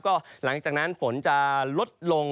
ก็หลังจากนั้นฝนจะลดลง